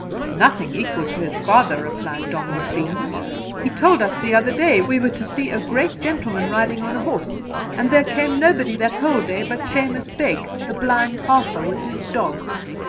'Nothing equal to his father,' replied Donald Bean. 'He told us the other day, we were to see a great gentleman riding on a horse, and there came nobody that whole day but Shemus Beg, the blind harper, with his dog.